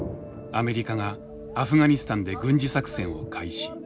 アメリカがアフガニスタンで軍事作戦を開始。